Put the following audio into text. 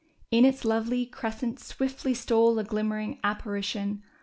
In its lovely crescent swiftly stole a glimmering appa rition.